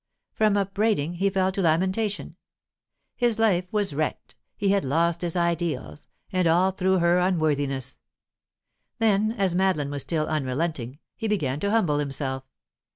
From upbraiding, he fell to lamentation. His life was wrecked; he had lost his ideals; and all through her unworthiness. Then, as Madeline was still unrelenting, he began to humble himself.